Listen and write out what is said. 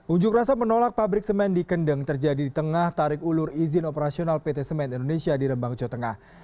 unjuk rasa menolak pabrik semen di kendeng terjadi di tengah tarik ulur izin operasional pt semen indonesia di rembang jawa tengah